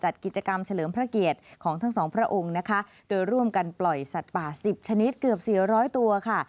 จัดกิจกรรมเฉลิมพระเกียรติของทั้งสองพระองค์นะคะโดยร่วมกันปล่อยสัตว์ป่าสิบชนิดเกือบสี่ร้อยตัวค่ะ